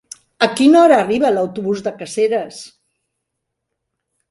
A quina hora arriba l'autobús de Caseres?